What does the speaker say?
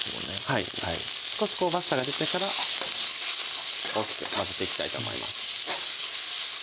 はい少し香ばしさが出てから大きく混ぜていきたいと思います